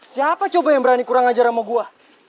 siapa coba yang berani kurang ngajar sama gua